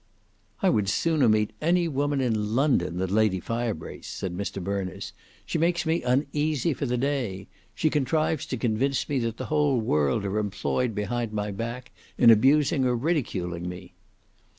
"I would sooner meet any woman in London than Lady Firebrace," said Mr Berners; "she makes me uneasy for the day: she contrives to convince me that the whole world are employed behind my back in abusing or ridiculing me."